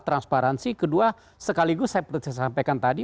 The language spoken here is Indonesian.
transparansi kedua sekaligus seperti saya sampaikan tadi